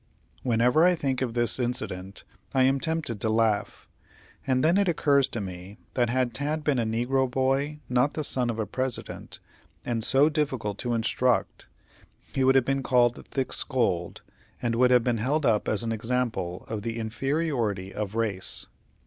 Whenever I think of this incident I am tempted to laugh; and then it occurs to me that had Tad been a negro boy, not the son of a President, and so difficult to instruct, he would have been called thick skulled, and would have been held up as an example of the inferiority of race.